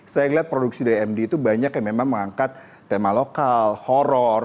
saya lihat produksi dari md itu banyak yang memang mengangkat tema lokal horror